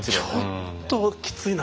ちょっときついなと。